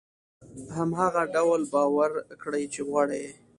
هغه هماغه ډول باوري کړئ چې غواړي يې.